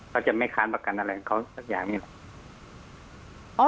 เขาจะไม่ค้านประกันอะไรเขาสักอย่างนี้แหละ